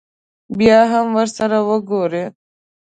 بیا به هم ورسره وګوري.